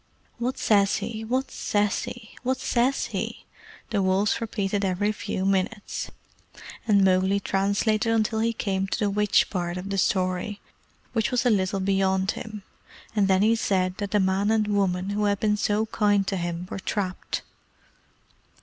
"What says he? What says he? What says he?" the wolves repeated every few minutes; and Mowgli translated until he came to the witch part of the story, which was a little beyond him, and then he said that the man and woman who had been so kind to him were trapped.